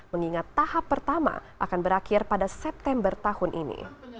mengingat tahap pertama akan berakhir pada september tahun ini